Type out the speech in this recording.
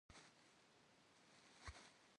Them khış' yimığaneç'e!